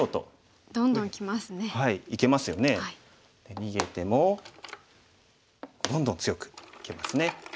逃げてもどんどん強くいけますね。